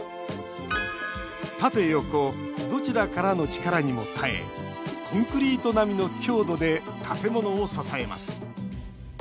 縦横どちらの力にも耐えコンクリート並みの強度で建物を支えます。